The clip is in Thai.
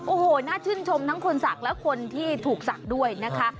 โอ้โหน่าชื่นชมทั้งคนศักดิ์และคนที่ถูกศักดิ์ด้วยนะคะ